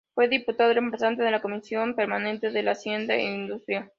Fue Diputado reemplazante en la Comisión Permanente de Hacienda e Industria.